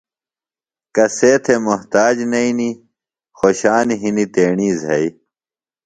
کسے تھےۡ محتاج نئینیۡ، خوشان ہِنیۡ تیݨی زھئیۡ